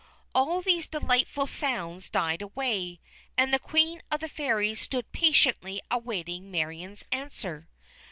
All these delightful sounds died away, and the Queen of the Fairies stood patiently awaiting Marion's answer.